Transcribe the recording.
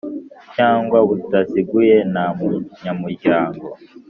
cyangwa butaziguye nta munyamuryango